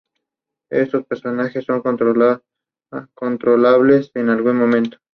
Los Montañeses se dividieron entonces en varias tendencias distintas.